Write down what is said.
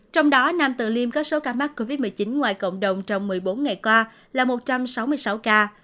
trong đó nam từ liêm có số ca mắc covid một mươi chín ngoài cộng đồng trong một mươi bốn ngày qua là một trăm sáu mươi sáu ca